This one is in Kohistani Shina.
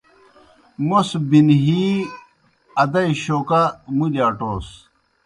موْس بِنہِی اَدَئی شوکا مُلیْ اٹوس۔